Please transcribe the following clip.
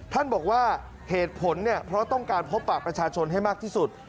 ท่านบอกว่าเหตุผลเนี่ยเพราะต้องการพบปากประชาชนให้มากที่สุด